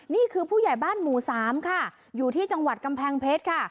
ผู้ใหญ่บ้านหมู่สามค่ะอยู่ที่จังหวัดกำแพงเพชรค่ะ